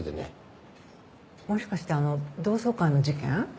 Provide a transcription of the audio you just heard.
もしかしてあの同窓会の事件？